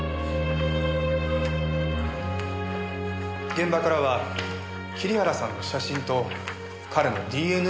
現場からは桐原さんの写真と彼のＤＮＡが採取されました。